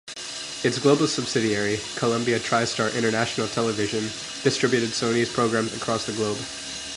Its global subsidiary, Columbia TriStar International Television, distributed Sony's programs across the globe.